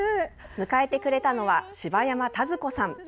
迎えてくれたのは柴山たづ子さん。